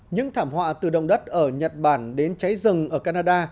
những thảm họa từ động đất ở nhật bản đến cháy rừng ở canada